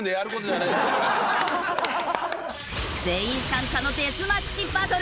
全員参加のデスマッチバトル。